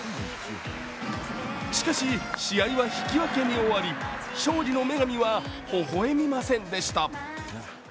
しかし、試合は引き分けに終わり勝利の女神はほほ笑みませんでした。